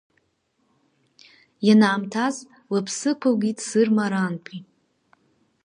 Ианаамҭаз лыԥсы ықәылгеит Сырма арантәи.